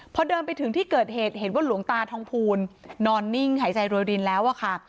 พอเดินไปถึงที่เกิดเหตุเห็นว่าหลวงตาทองภูลนอนนิ่งหายใจโรยรินแล้วอะค่ะ